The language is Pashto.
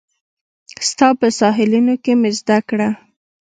ستا په ساحلونو کې مې زده کړه